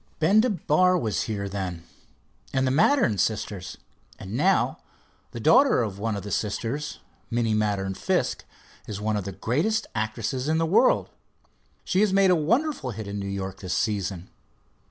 Ben de Bar was here then, and the Maddern sisters, and now the daughter of one of the sisters, Minnie Maddern Fiske, is one of the greatest actresses in the world. She has made a wonderful hit in New York this season.